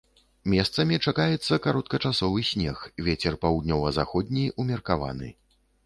Месцамі чакаецца кароткачасовы снег, вецер паўднёва-заходні, умеркаваны.